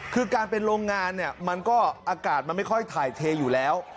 คือการเป็นโรงงานเนี่ยมันก็อากาศมันไม่ค่อยถ่ายเทอยู่แล้ว